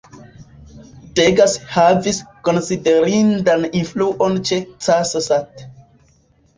Degas havis konsiderindan influon ĉe Cassatt.